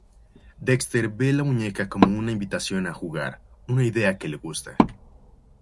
Dexter ve la muñeca como una invitación a jugar, una idea que le gusta.